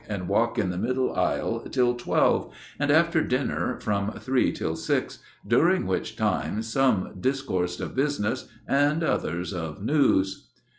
and walk in the middle aisle till twelve, and after dinner from three till six, during which time some discoursed of business, and others of news.